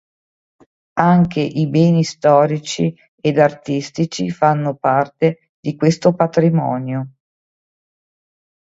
Anche i beni storici ed artistici fanno parte di questo patrimonio.